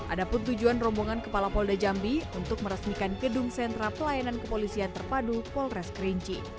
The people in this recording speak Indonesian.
ada pun tujuan rombongan kepala polda jambi untuk meresmikan gedung sentra pelayanan kepolisian terpadu polres kerinci